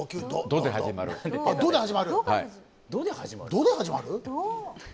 「ド」で始まる。